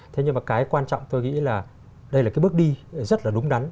thế nhưng mà cái quan trọng tôi nghĩ là đây là cái bước đi rất là đúng đắn